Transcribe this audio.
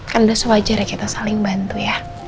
gak sewajar ya kita saling bantu ya